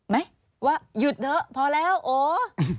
ไหมว่าหยุดเถอะพอแล้วโอ